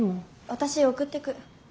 私送ってく。